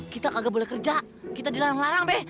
kita kagak boleh kerja kita dilarang larang be